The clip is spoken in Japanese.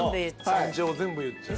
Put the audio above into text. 感情全部言っちゃう。